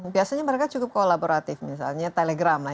biasanya mereka cukup kolaboratif misalnya telegram